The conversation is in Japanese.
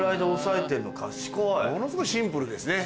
ものすごいシンプルですね。